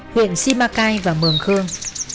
huyện semakai và mường khương